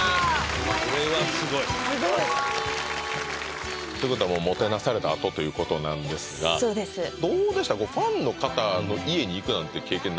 これはすごいすごいということはもてなされたあとということなんですがそうですどうでした？